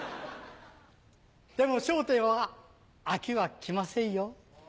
でも『笑点』はアキはきませんよ。